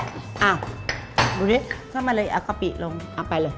อ้าวดูนี่ฉันมันละเอียดกะปิลงอ้าวไปเลย